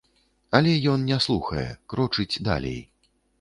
Але ён не слухае, крочыць далей.